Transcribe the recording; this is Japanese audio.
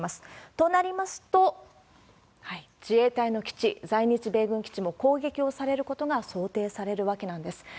となりますと、自衛隊の基地、在日米軍基地も攻撃をされることが想定されるわけなんです。